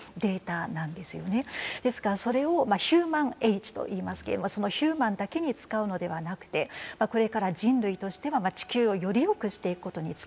ですからそれをヒューマン・エイジといいますけれどもそのヒューマンだけに使うのではなくてこれから人類としては地球をよりよくしていくことに使っていくという。